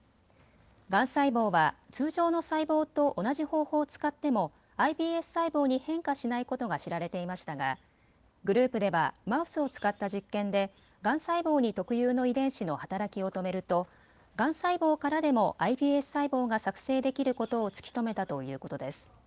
がん細胞は通常の細胞と同じ方法を使ってもｉＰＳ細胞に変化しないことが知られていましたがグループではマウスを使った実験でがん細胞に特有の遺伝子の働きを止めるとがん細胞からでもｉＰＳ細胞が作製できることを突き止めたということです。